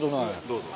どうぞ。